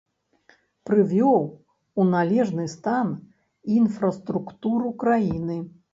Прывёў у належны стан інфраструктуру краіны.